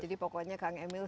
jadi pokoknya kang emil